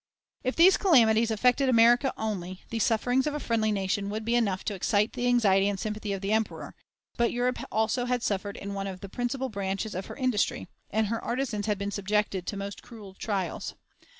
If these calamities affected America only, these sufferings of a friendly nation would be enough to excite the anxiety and sympathy of the Emperor; but Europe also had suffered in one of the principal branches of her industry, and her artisans had been subjected to most cruel trials.